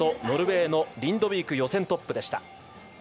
ノルウェーのリンドビーク予選トップでした。